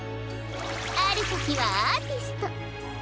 あるときはアーティスト。